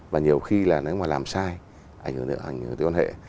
và nhiều khi là nếu mà làm sai ảnh hưởng đến quan hệ